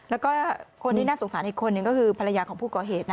แล้วก็คนที่น่าสงสารอีกคนหนึ่งก็คือภรรยาของผู้ก่อเหตุ